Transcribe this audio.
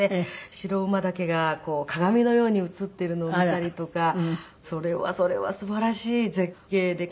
白馬岳が鏡のように映っているのを見たりとかそれはそれはすばらしい絶景で感動しまして。